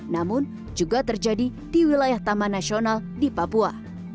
namun juga terjadi di wilayah taman nasional di papua